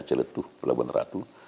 celetuh pelabuhan ratu